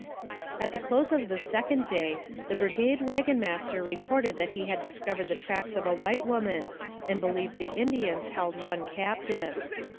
At the close of the second day, the brigade wagon master reported that he had discovered the tracks of a white woman, and believed the Indians held one captive.